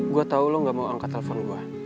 gue tau lo gak mau angkat telepon gue